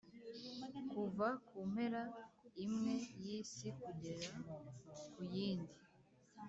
kuva ku mpera imwe y’isi kugera ku yindi,